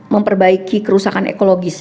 memperbaiki kerusakan ekologis